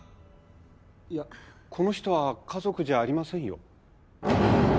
いやこの人は家族じゃありませんよ。